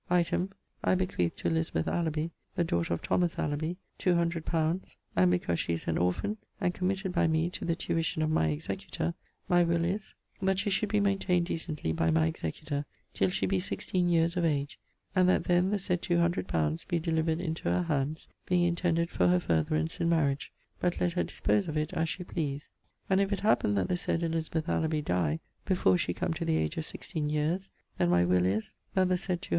Item, I bequeath to Elizabeth Alaby, the daughter of Thomas Alaby, two hundred pounds, and because she is an orphan, and committed by me to the tuition of my executor, my will is, that she should be maintained decently by my executor, till she be 16 yeares of age, and that then the said two hundred pounds be delivered into her hands, being intended for her furtherance in marriage, but let her dispose of it as she please; and if it happen that the said Elizabeth Alaby die before she come to the age of 16 yeares, then my will is, that the said 200 _li.